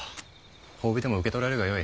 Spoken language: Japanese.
褒美でも受け取られるがよい。